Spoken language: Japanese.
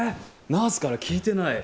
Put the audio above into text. ナースから聞いてない？